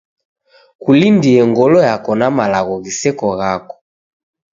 Kulindie ngolo yako na malagho ghiseko ghako.